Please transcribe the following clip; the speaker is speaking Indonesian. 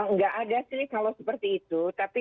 nggak ada sih kalau seperti itu tapi